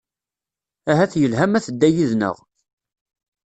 Ahat yelha ma tedda yid-nneɣ.